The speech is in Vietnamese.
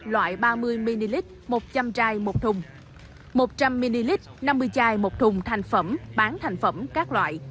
loại ba mươi ml một trăm linh chai một thùng một trăm linh ml năm mươi chai một thùng thành phẩm bán thành phẩm các loại